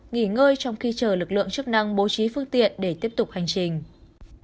nghỉ ngơi trong khi chờ lực lượng chức năng bố trí phương tiện để tiếp tục hành trình